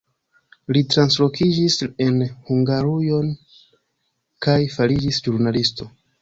Li translokiĝis en Hungarujon kaj fariĝis ĵurnalisto.